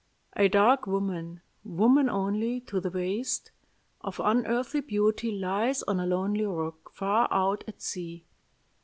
A dark woman woman only to the waist of unearthly beauty lies on a lonely rock far out at sea.